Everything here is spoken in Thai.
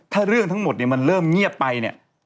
ถ้าเรื่องทั้งหมดเนี่ยมันเริ่มเงียบไปเนี่ย